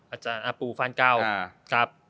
อาจารย์ปู่ฟันกาว